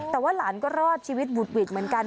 แต่ว่าหลานก็รอดชีวิตบุดหวิดเหมือนกัน